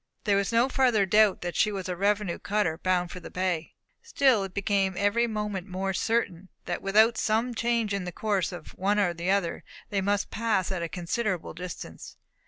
There was no further doubt that she was a revenue cutter bound for the bay. Still it became every moment more certain that without some change in the course of one or the other, they must pass at a considerable distance.